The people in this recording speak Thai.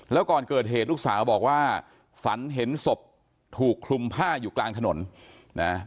แล้วก่อนเกิดเหตุลูกสาวบอกว่าฝันเห็นศพถูกคลุมผ้าอยู่กลางถนนนะ